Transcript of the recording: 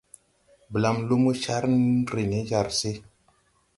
Blam lumo car re ne jar se.